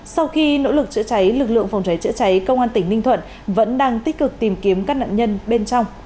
sau khi nỗ lực chữa cháy lực lượng phòng cháy chữa cháy công an tỉnh ninh thuận vẫn đang tích cực tìm kiếm các nạn nhân bên trong